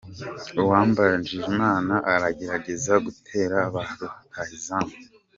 Uwambajimana aragerageza guterera ba rutahizamu, Mwiseneza bahoze bakinana nawe yaje kumuzibira.